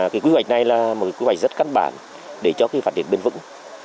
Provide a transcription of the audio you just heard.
cái quy hoạch này là một quy hoạch rất căn bản để cho phát triển bền vững